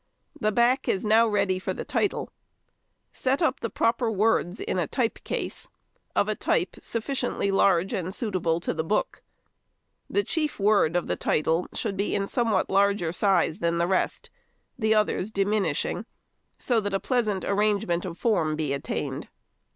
The back is now ready for the title. Set up the proper words in a type case, of a type sufficiently large and suitable to the book. The chief word of the title should be in somewhat larger size than the rest, the others diminishing, so that a pleasant arrangement of form be attained.